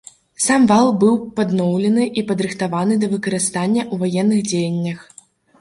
Сам вал быў падноўлены і падрыхтаваны да выкарыстання ў ваенных дзеяннях.